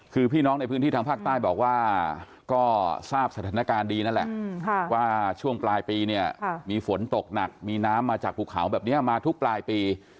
คือพี่น้องในพื้นที่ทางภาคใต้บอกว่าก็ทราบสถานการณ์ดีนั่นแหละว่าช่วงปลายปีเนี่ยมีฝนตกหนักมีน้ำมาจากภูเขาแบบนี้มาทุกปลายปี